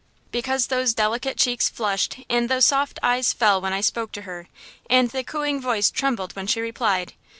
because those delicate cheeks flushed and those soft eyes fell when I spoke to her, and the cooing voice trembled when she replied!